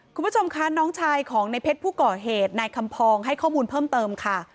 คุณผู้ชมคะน้องชายของในเพชรผู้ก่อเหตุนายคำพองให้ข้อมูลเพิ่มเติมค่ะ